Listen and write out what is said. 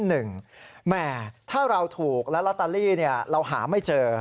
แหมถ้าเราถูกและลอตเตอรี่เราหาไม่เจอ